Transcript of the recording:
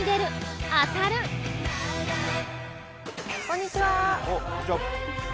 こんにちはー